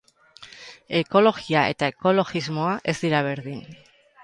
Ekologia eta ekologismoa ez dira berdin.